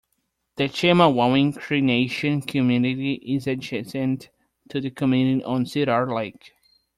The Chemawawin Cree Nation community is adjacent to the community on Cedar Lake.